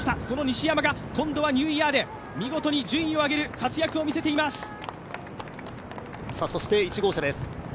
その西山が今度はニューイヤーで見事に順位を上げる活躍を見せています。